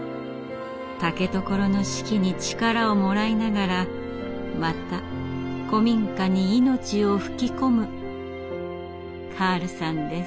竹所の四季に力をもらいながらまた古民家に命を吹き込むカールさんです。